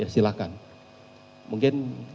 ya silahkan mungkin